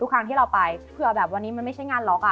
ครั้งที่เราไปเผื่อแบบวันนี้มันไม่ใช่งานล็อกอ่ะ